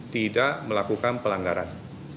tidak melakukan pelanggaran